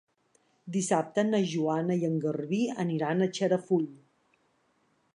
Dissabte na Joana i en Garbí aniran a Xarafull.